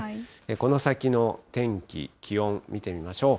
この先の天気、気温、見てみまし